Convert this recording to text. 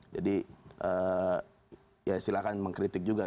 jadi ya silahkan mengkritik juga